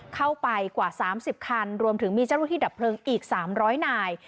เข้าไปกว่า๓๐คันรวมถึงมีเจ้าหน้าที่ดับเพลิงอีก๓๐๐นาย